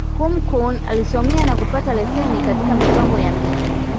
Kúmókụn alisomea, na kupata leseni katika Mipango ya Miji.